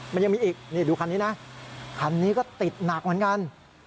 มันยังมีอีกนี่ดูคันนี้นะคันนี้ก็ติดหนักเหมือนกัน